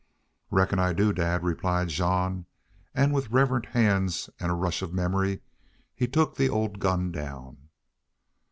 "Reckon I do, dad," replied Jean, and with reverent hands and a rush of memory he took the old gun down.